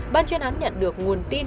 ban chuyên án nhận được nguồn tin